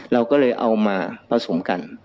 เราก็เลยเอามาผสมกัน